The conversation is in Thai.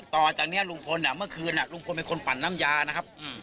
ตองจากนี้ลุงพลลุงพลเป็นคนปั่นน้ำยานะครับ